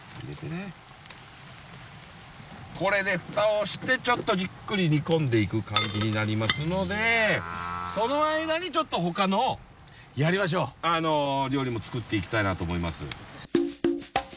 これでフタをしてちょっとじっくり煮込んでいく感じになりますのでその間にちょっとほかの料理も作っていきたいなと思います。